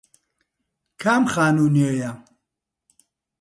کام خانوو نوێیە؟